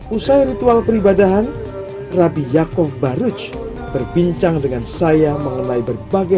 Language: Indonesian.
usai ritual peribadahan rabi yaakov baruj berbincang dengan saya mengenai berbagai